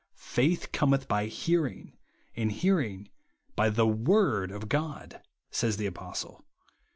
" Faith cometh by hearing, and hearing by the word of God," says the apostle.